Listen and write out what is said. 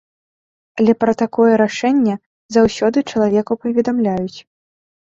Але пра такое рашэнне заўсёды чалавеку паведамляюць.